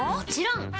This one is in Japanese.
ん？